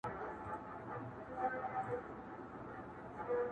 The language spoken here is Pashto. د ابۍ پر مرگ نه يم عرزايل اموخته کېږي.